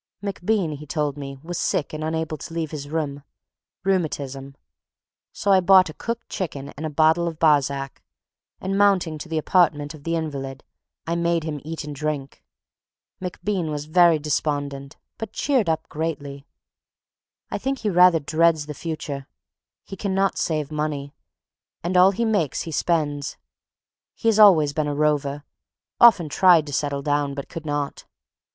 MacBean, he told me, was sick and unable to leave his room. Rheumatism. So I bought a cooked chicken and a bottle of Barsac, and mounting to the apartment of the invalid, I made him eat and drink. MacBean was very despondent, but cheered up greatly. I think he rather dreads the future. He cannot save money, and all he makes he spends. He has always been a rover, often tried to settle down but could not.